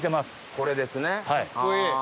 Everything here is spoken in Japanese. これですねはぁ。